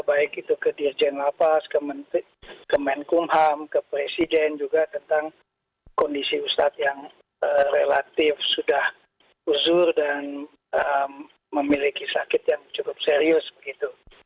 baik itu ke dirjen lapas ke menkumham ke presiden juga tentang kondisi ustadz yang relatif sudah uzur dan memiliki sakit yang cukup serius begitu